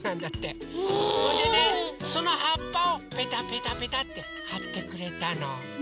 それでねそのはっぱをペタペタペタってはってくれたの。